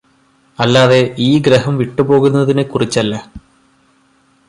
അല്ലാതെ ഈ ഗ്രഹം വിട്ടുപോകുന്നതിനെ കുറിച്ചല്ല